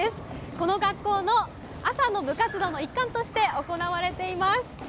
この学校の朝の部活動の一環として行われています。